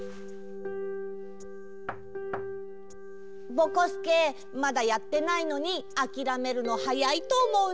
ぼこすけまだやってないのにあきらめるのはやいとおもうんだけど。